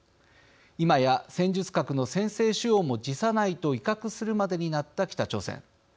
今や戦術核の先制使用も辞さないと威嚇するまでになった北朝鮮。